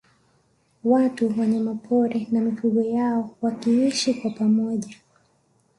Watu Wanyamapori na mifugo yao wakiishi kwa pamoja